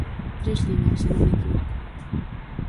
Tres liñas, se non me equivoco.